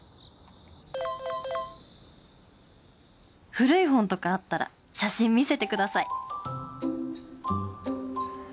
「古い本とかあったら写真見せてください！」。